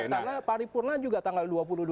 karena paripurna juga tanggal dua puluh dua juli ini